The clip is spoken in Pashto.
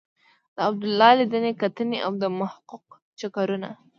د عبدالله لیدنې کتنې او د محقق چکرونه.